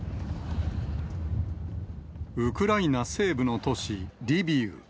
ウクライナ西部の都市、リビウ。